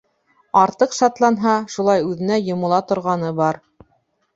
Артыҡ шатланһа, шулай үҙенә йомола торғаны бар.